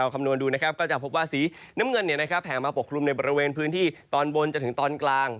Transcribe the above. ก็จะพบว่าสีน้ำเงินแผงมาปกคลุมในบริเวณพื้นที่ตอนบนจนถึงตอนกลาง